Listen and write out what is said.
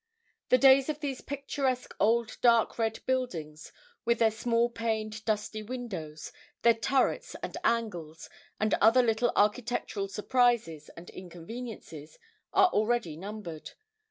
The days of these picturesque old dark red buildings, with their small paned dusty windows, their turrets and angles, and other little architectural surprises and inconveniences, are already numbered.